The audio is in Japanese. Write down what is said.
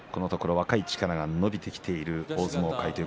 このところ若い力が伸びてきている大相撲界。